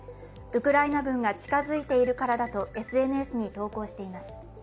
ウクライナ軍が近づいているからだとＳＮＳに投稿しています。